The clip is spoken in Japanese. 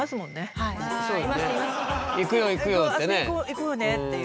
行こうねっていう。